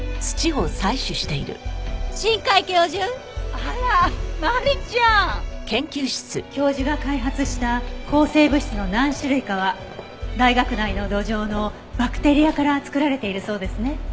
あらマリちゃん！教授が開発した抗生物質の何種類かは大学内の土壌のバクテリアから作られているそうですね。